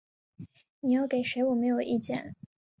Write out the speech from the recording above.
你要给谁我没有意见